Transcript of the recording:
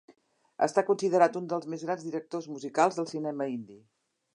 Està considerat un dels més grans directors musicals del cinema indi.